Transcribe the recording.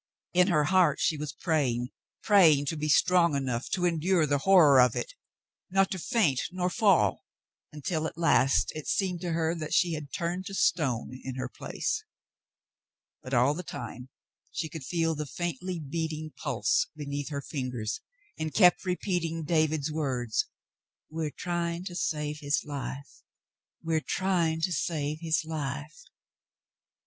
In her heart she was praying — praying to be strong enough 98 The Mountain Girl to endure the horror of it — not to faint nor fall — until at last it seemed to her that she had turned to stone in her place; but all the time she could feel the faintly beating pulse beneath her fingers, and kept repeating David's words: "We are trying to save his life — we are trying to save his life."